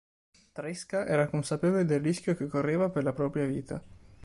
Tresca era consapevole del rischio che correva per la propria vita.